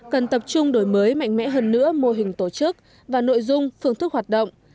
cần tập trung đổi mới mạnh mẽ hơn nữa mô hình tổ chức và nội dung phương thức hoạt động